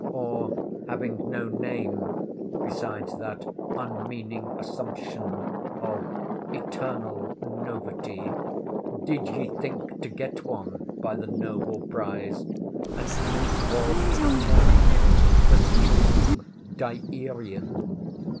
—or, having no name, besides that unmeaning assumption of eternal novity, did ye think to get one by the noble prize, and henceforth to be termed the STREAM DYERIAN?